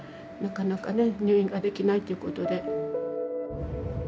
なかなかね入院ができないっていうことで。